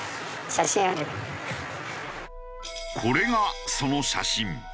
これがその写真。